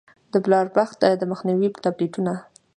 د بلاربښت د مخنيوي ټابليټونه